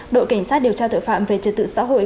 đội cảnh sát điều tra tội phạm về trật tự xã hội